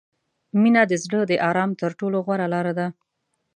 • مینه د زړه د آرام تر ټولو غوره لاره ده.